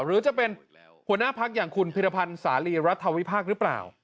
หรือจะเป็นหัวหน้าพักอย่างคุณพิรพันธ์สาลีรัฐวิพากษ์หรือเปล่า